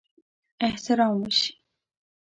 احترام وشي.